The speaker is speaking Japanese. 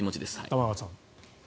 玉川さん。